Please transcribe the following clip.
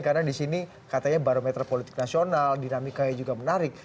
karena di sini katanya barometer politik nasional dinamikanya juga menarik